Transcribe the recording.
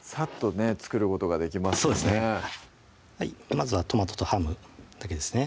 まずはトマトとハムだけですね